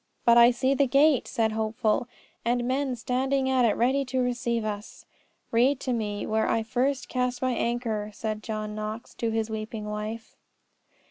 "But I see the gate," said Hopeful, "and men standing at it ready to receive us." "Read to me where I first cast my anchor," said John Knox to his weeping wife.